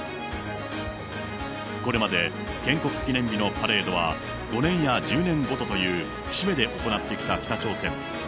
これまで、建国記念日のパレードは、５年や１０年ごとという節目で行ってきた北朝鮮。